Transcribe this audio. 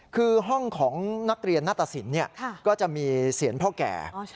คือห้องของนักเรียนนาตสินก็จะมีเสียงพ่อแก่